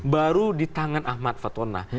baru di tangan ahmad fatona